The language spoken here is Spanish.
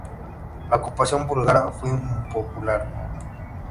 La ocupación búlgara fue impopular.